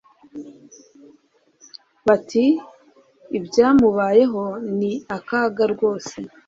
bati Ibyamubayeho ni akaga rwose